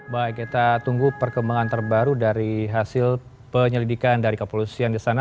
baik kita tunggu perkembangan terbaru dari hasil penyelidikan dari kepolisian di sana